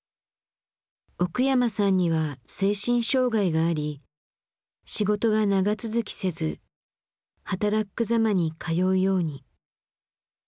奥山さんには精神障害があり仕事が長続きせずはたらっく・ざまに通うように。